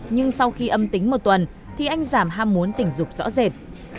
nhưng sau khi âm tính một tuần thì anh giảm ham muốn tình dục rõ rệt